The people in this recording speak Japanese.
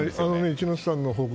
一之瀬さんの報告